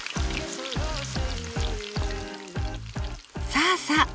さあさあ